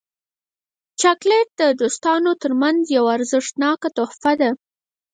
چاکلېټ د دوستانو ترمنځ یو ارزښتناک تحفه ده.